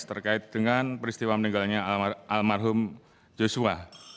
terkait dengan peristiwa meninggalnya almarhum joshua